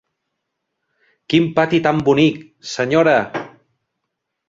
Quin pati tan bonic, senyora!